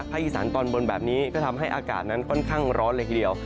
อีสานตอนบนแบบนี้ก็ทำให้อากาศนั้นค่อนข้างร้อนเลยทีเดียว